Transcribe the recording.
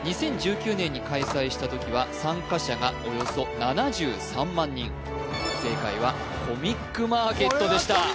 ２０１９年に開催した時は参加者がおよそ７３万人正解はコミックマーケットでした